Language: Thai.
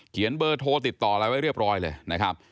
เขียนเบอร์โทรติดต่อแล้วไว้เรียบร้อยเลยนะครับ